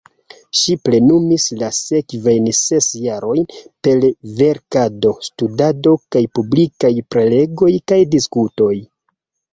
Ŝi plenumis la sekvajn ses jarojn per verkado, studado kaj publikaj prelegoj kaj diskutoj.